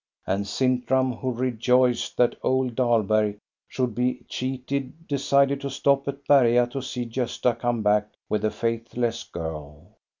And Sintram, who rejoiced that old Dahlberg should be cheated, decided to stop at Berga to see Gosta come back with the faithless girl.